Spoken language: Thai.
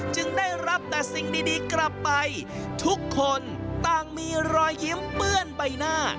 จึงได้รับแต่สิ่งดีกลับไปทุกคนต่างมีรอยยิ้มเปื้อนใบหน้า